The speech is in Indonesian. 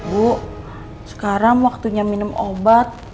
bu sekarang waktunya minum obat